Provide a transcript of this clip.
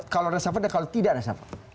kalau resapel dan kalau tidak resapel